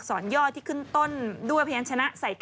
โอ้โหเคยเห็นจะยาก